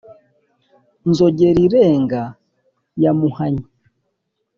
Nzogerirenga ya Muhanyi,